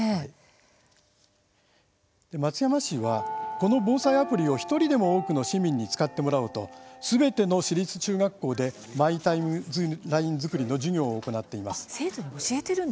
松山市は、この防災アプリを１人でも多くの市民に使ってもらおうとすべての市立中学校でマイ・タイムライン作りの授業を行っています。